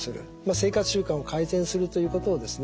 生活習慣を改善するということをですね